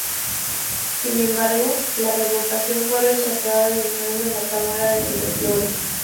Sin embargo, la revocación fue rechazada de nuevo en la Cámara de los Lores.